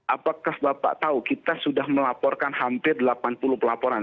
apakah bapak tahu kita sudah melaporkan hampir delapan puluh pelaporan